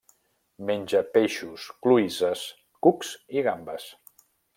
Menja peixos, cloïsses, cucs i gambes.